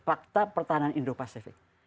fakta pertahanan indo pasifik